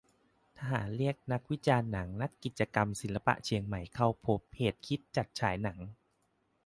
ทหารเรียกนักวิจารณ์หนัง-นักกิจกรรมศิลปะเชียงใหม่เข้าพบเหตุคิดจัดฉายหนัง